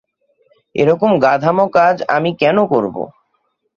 এরকম গাধামো কাজ আমি কেন করব?